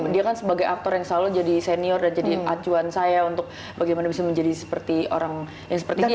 dia kan sebagai aktor yang selalu jadi senior dan jadi acuan saya untuk bagaimana bisa menjadi seperti orang yang seperti ini